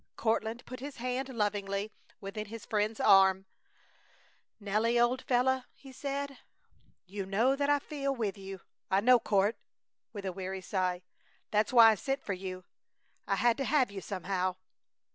Courtland put his hand lovingly within his friend's arm: "Nelly, old fellow," he said, "you know that I feel with you " "I know, Court!" with a weary sigh. "That's why I sent for you. I had to have you, somehow!"